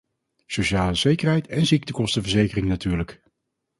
Sociale zekerheid en ziektekostenverzekering natuurlijk!